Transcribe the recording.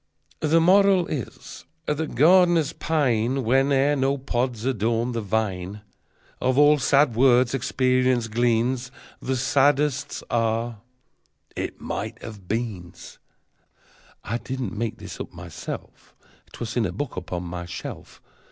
The Moral is that gardeners pine Whene'er no pods adorn the vine. Of all sad words experience gleans The saddest are: "It might have beans." (I did not make this up myself: 'Twas in a book upon my shelf.